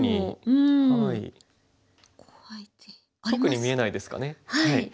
特に見えないですかね。